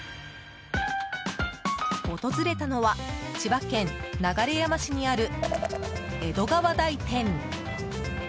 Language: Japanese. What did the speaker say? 訪れたのは千葉県流山市にある江戸川台店。